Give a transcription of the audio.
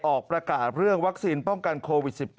ออกประกาศเรื่องวัคซีนป้องกันโควิด๑๙